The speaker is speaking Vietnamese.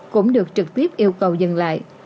cũng được trực tiếp yêu cầu dừng lại